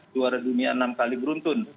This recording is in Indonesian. juara dunia enam kali beruntun